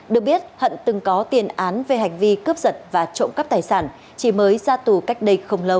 được biết hận từng có tiền án về hành vi cướp giật và trộm cắp tài sản chỉ mới ra tù cách đây không lâu